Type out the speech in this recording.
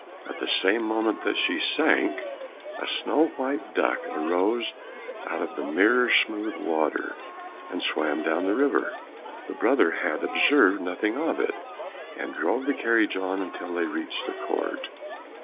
At the same moment that she sank, a snow white duck arose out of the mirror smooth water, and swam down the river. The brother had observed nothing of it, and drove the carriage on until they reached the court.